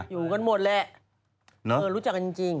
อยู่กันหมดแหละรู้จักกันจริง